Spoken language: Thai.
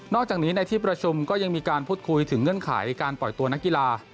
อกจากนี้ในที่ประชุมก็ยังมีการพูดคุยถึงเงื่อนไขการปล่อยตัวนักกีฬา